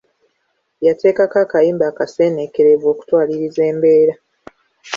Yateekeko akayimba akaseeneekerevu okutwaliriza embeera.